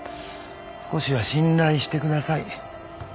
少しは信頼してください。